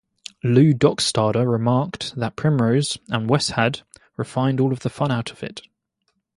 Lew Dockstader remarked that Primrose and Westhad refined all the fun out of it.